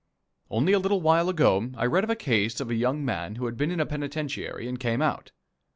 Only a little while ago I read of a case of a young man who had been in a penitentiary and came out.